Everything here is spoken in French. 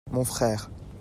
mon frère.